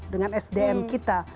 dengan sdm kita